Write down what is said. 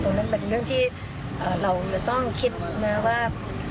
นั่นเป็นเรื่องที่เราจะต้องคิดนะว่า